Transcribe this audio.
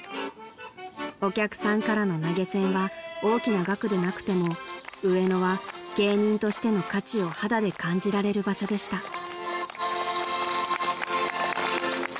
［お客さんからの投げ銭は大きな額でなくても上野は芸人としての価値を肌で感じられる場所でした］